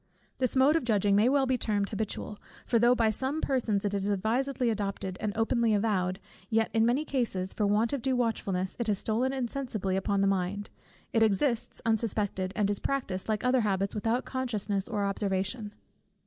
This mode of judging may well be termed habitual: for though by some persons it is advisedly adopted, and openly avowed, yet in many cases for want of due watchfulness, it has stolen insensibly upon the mind; it exists unsuspected, and is practised, like other habits, without consciousness or observation.